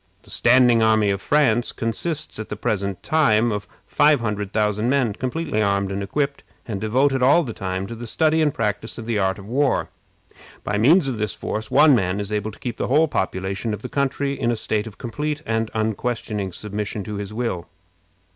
The standing army of France consists at the present time of five hundred thousand men, completely armed and equipped, and devoted all the time to the study and practice of the art of war. By means of this force one man is able to keep the whole population of the country in a state of complete and unquestioning submission to his will.